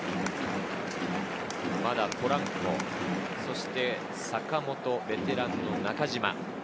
まだポランコ、そして坂本、ベテランの中島。